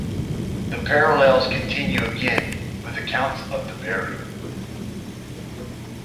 The parallels continue again with accounts of the burial.